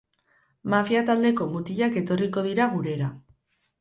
Mafia taldeko mutilak etorriko dira gurera.